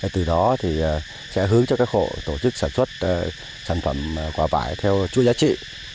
từ đó sẽ hướng cho các hộ tổ chức sản xuất sản phẩm quả vải theo chuỗi giá trị